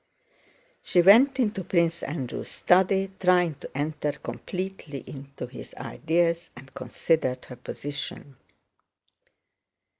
She went into Prince Andrew's study, trying to enter completely into his ideas, and considered her position.